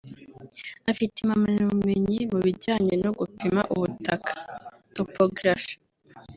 Afite impamyabumenyi mu bijyanye no gupima ubutaka (Topographie)